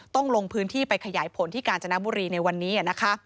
ลงพื้นที่ไปขยายผลที่กาญจนบุรีในวันนี้นะคะ